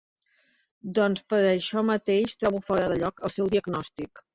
Doncs per això mateix, trobo fora de lloc el seu diagnòstic.